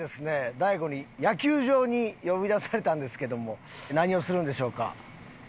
大悟に野球場に呼び出されたんですけども何をするんでしょうか？